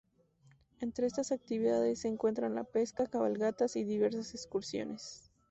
Entre estas actividades, se encuentran la pesca, cabalgatas, y diversas excursiones.